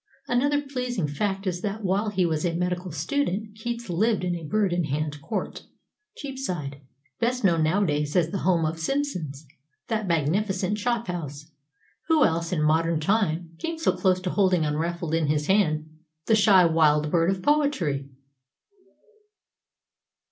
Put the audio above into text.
Another pleasing fact is that while he was a medical student Keats lived in Bird in Hand Court, Cheapside best known nowadays as the home of Simpson's, that magnificent chophouse. Who else, in modern times, came so close to holding unruffled in his hand the shy wild bird of Poetry?